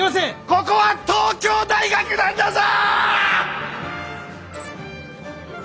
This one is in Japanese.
ここは東京大学なんだぞ！